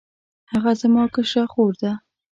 هغه زما کشره خور ده